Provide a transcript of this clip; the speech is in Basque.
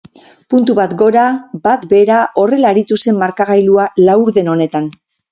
Puntu bat gora, bat behera horrela aritu zen markagailua laurden honetan.